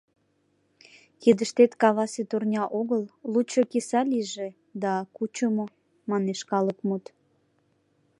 — Кидыштет кавасе турня огыл, лучо киса лийже, да — кучымо, манеш калык мут.